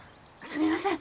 すみません